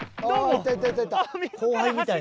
どうも。